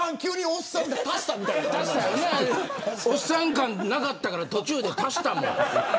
おっさん感なかったから途中で足したんだよ。